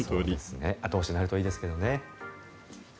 後押しになるといいですね。